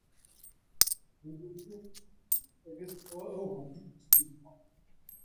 تا من دوو قونچکم هەڵدەگرتەوە، ئەو هەمووی دەچنینەوە